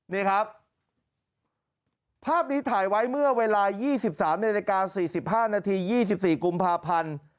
นี่ครับภาพนี้ถ่ายไว้เมื่อเวลา๒๓นาฬิกา๔๕นาที๒๔กุมภาพันธ์